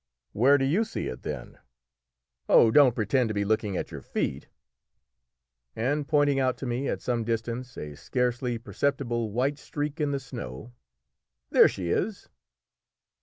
"Where do you see it, then?" "Oh, don't pretend to be looking at your feet." And pointing out to me at some distance a scarcely perceptible white streak in the snow "There she is!"